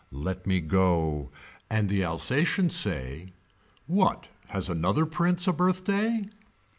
Let me go. And the Alsatians say. What has another prince a birthday.